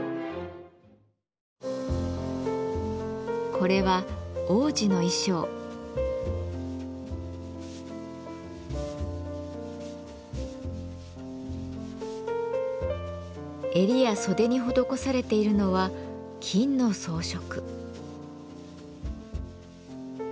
これは襟や袖に施されているのは金の装飾。